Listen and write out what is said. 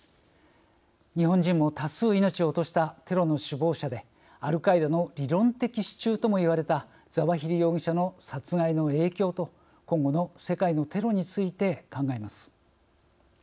日本人も多数、命を落としたテロの首謀者でアルカイダの理論的支柱とも言われたザワヒリ容疑者の殺害の影響と今後の世界のテロについて考えます。